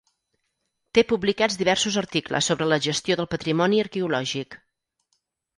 Té publicats diversos articles sobre la gestió del patrimoni arqueològic.